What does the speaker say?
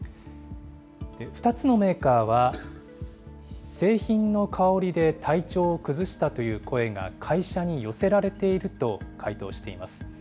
２つのメーカーは、製品の香りで体調を崩したという声が会社に寄せられていると回答しています。